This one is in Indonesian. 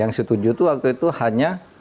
yang setuju itu waktu itu hanya